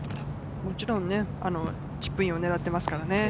もちろんチップインを狙っていますからね。